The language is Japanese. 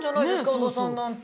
織田さんなんて。